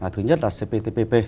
thứ nhất là cptpp